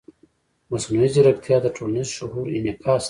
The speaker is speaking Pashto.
مصنوعي ځیرکتیا د ټولنیز شعور انعکاس دی.